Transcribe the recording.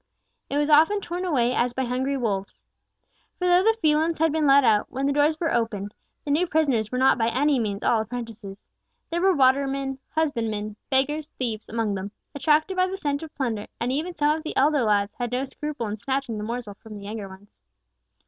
It was often torn away as by hungry wolves. For though the felons had been let out, when the doors were opened; the new prisoners were not by any means all apprentices. There were watermen, husbandmen, beggars, thieves, among them, attracted by the scent of plunder; and even some of the elder lads had no scruple in snatching the morsel from the younger ones.